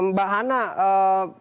mbak hana kan jelas begitu ya